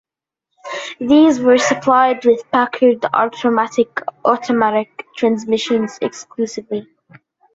These were supplied with Packard "Ultramatic" automatic transmissions - exclusively.